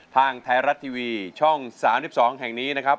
ทางไทยรัฐทีวีช่อง๓๒แห่งนี้นะครับ